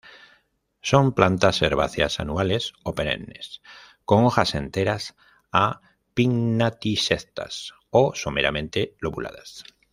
Son plantas herbáceas anuales o perennes con hojas enteras a pinnatisectas o someramente lobuladas.